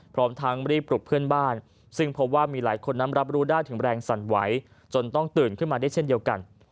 พร้อมทั้งรีบปลุกเพื่อนบ้านซึ่งพบว่ามีหลายคนนั้นรับรู้ได้ถึงแรงสั่นไหวจนต้องตื่นขึ้นมาได้เช่นเดียวกัน